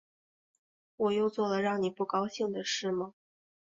我又做了让你不高兴的事吗